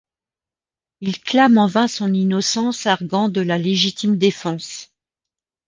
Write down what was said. Il clame en vain son innocence arguant de la légitime défense.